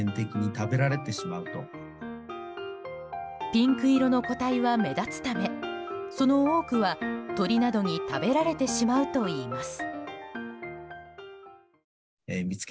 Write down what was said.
ピンク色の個体は目立つためその多くは鳥などに食べられてしまうといいます。